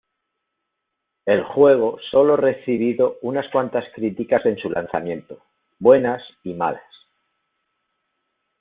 El juego sólo recibido unas cuantas críticas en su lanzamiento, buenas y malas.